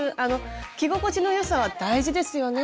着心地のよさは大事ですよね。